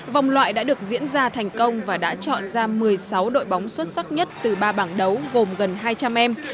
vòng loại đã được diễn ra thành công và đã chọn ra một mươi sáu đội bóng xuất sắc nhất từ ba bảng đấu gồm gần hai trăm linh em